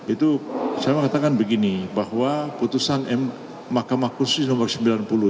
itu saya mengatakan begini bahwa putusan makam akusis no sembilan